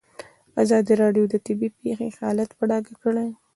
ازادي راډیو د طبیعي پېښې حالت په ډاګه کړی.